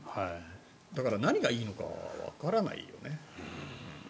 だから何がいいのかわからないよね。